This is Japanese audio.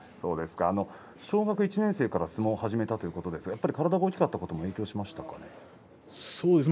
小学１年生から相撲を始めたということですがやっぱり体が大きかったことも影響していますかね。